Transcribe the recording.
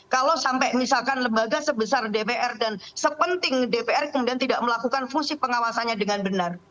kalau sampai misalkan lembaga sebesar dpr dan sepenting dpr kemudian tidak melakukan fungsi pengawasannya dengan benar